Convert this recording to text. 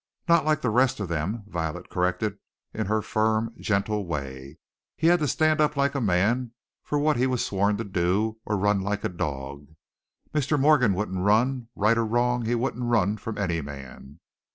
"Not like the rest of them," Violet corrected, in her firm, gentle way. "He had to stand up like a man for what he was sworn to do, or run like a dog. Mr. Morgan wouldn't run. Right or wrong, he wouldn't run from any man!"